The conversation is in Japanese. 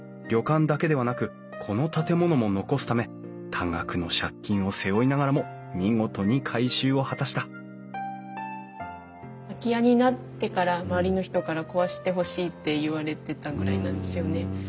旅館だけではなくこの建物も残すため多額の借金を背負いながらも見事に改修を果たした空き家になってから周りの人から壊してほしいって言われてたぐらいなんですよね。